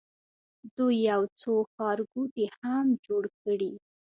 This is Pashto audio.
دوی یو څو ښارګوټي هم جوړ کړي.